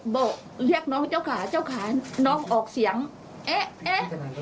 บอกเรียกน้องเจ้าขาเจ้าขาน้องออกเสียงเอ๊ะเอ๊ะ